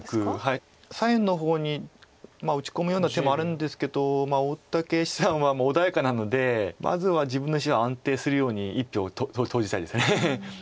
左辺の方に打ち込むような手もあるんですけど大竹七段は穏やかなのでまずは自分の石が安定するように一手を投じたいです。